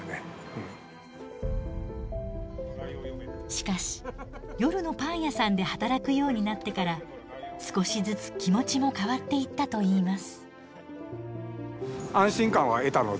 しかし夜のパン屋さんで働くようになってから少しずつ気持ちも変わっていったといいます。